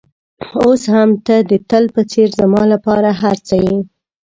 اوس هم ته د تل په څېر زما لپاره هر څه یې.